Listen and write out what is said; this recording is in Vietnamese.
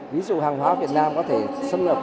ví dụ hàng hóa việt nam có thể xuất khẩu chính